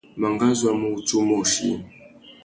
Mangazu a mú wutiō umôchï.